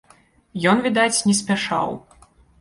Ён, відаць, не спяшаў.